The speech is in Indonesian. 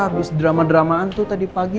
habis drama dramaan tuh tadi pagi